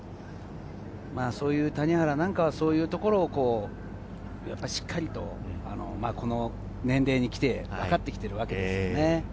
そういう谷原なんかはそういうところをしっかりとこの年齢に来て分かってきているわけですよね。